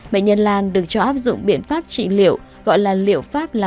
bệnh nhân lan được cho áp dụng biện pháp trị liệu